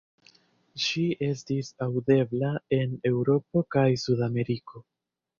Ŝi estis aŭdebla en Eŭropo kaj Sud-Ameriko.